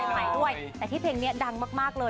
แต่ที่เพลงนี้ดังมากเลย